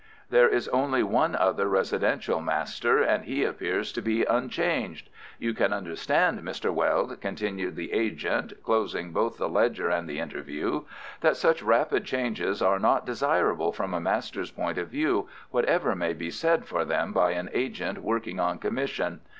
"There is only one other residential master, and he appears to be unchanged. You can understand, Mr. Weld," continued the agent, closing both the ledger and the interview, "that such rapid changes are not desirable from a master's point of view, whatever may be said for them by an agent working on commission.